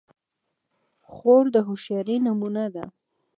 خور د هوښیارۍ نمونه ده.